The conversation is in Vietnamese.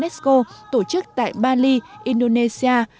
của unesco tổ chức tại bali indonesia